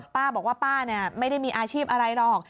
ป้าบอกว่าป้าไม่ได้มีอาชีพอะไรหรอก